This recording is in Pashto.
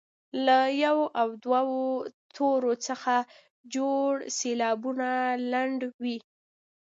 له یو او دوو تورو څخه جوړ سېلابونه لنډ وي.